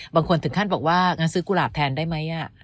บางคนถึงขั้นบอกว่างั้นซื้อกุหลาบแทนได้ไหม